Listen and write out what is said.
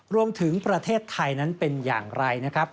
รวมถึงประเทศไทยนั้นเป็นอย่างไรนะครับ